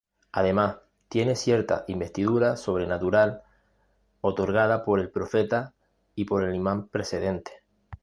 Además, tiene cierta investidura sobrenatural otorgada por el profeta y por el imam precedente.